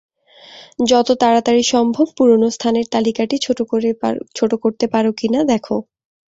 যত তাড়াতাড়ি সম্ভব পুরোনো স্থানের তালিকাটি ছোট করতে পারো কি-না দেখো।